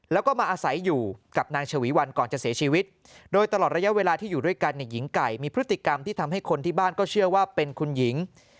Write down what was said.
แล้วก็มาอาศัยอยู่กับนางฉวีวันก่อนจะเสียชีวิตโดยตลอดระยะเวลาที่อยู่ด้วยกันเนี่ยหญิงไก่มีพฤติกรรมที่ทำให้คนที่บ้านก็เชื่อว่าเป็นคุณหญิง